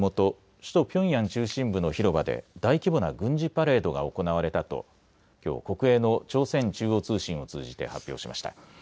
首都ピョンヤン中心部の広場で大規模な軍事パレードが行われたときょう国営の朝鮮中央通信を通じて発表しました。